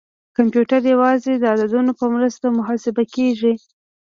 کمپیوټر یوازې د عددونو په مرسته محاسبه کوي.